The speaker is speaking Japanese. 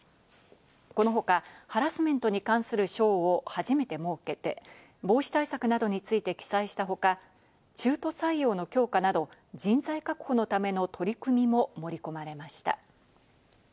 この他、ハラスメントに関する章を初めて設けて、防止対策などについて記載した他、中途採用の強化など、人材確保のための取り組みも盛り込まれました。